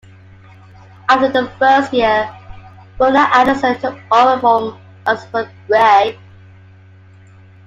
After the first year, Rona Anderson took over from Elspet Gray.